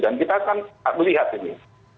dan kita kan melihat ini